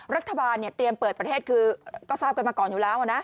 รัฐบาลเตรียมเปิดประเทศคือก็ทราบกันมาก่อนอยู่แล้วนะ